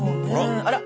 あら！